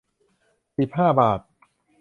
สิบห้าบาท